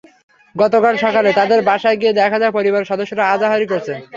গতকাল সকালে তাঁদের বাসায় গিয়ে দেখা যায়, পরিবারের সদস্যরা আহাজারি করছেন।